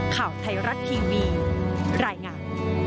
ข่าวไทยรัฐทีวีรายงาน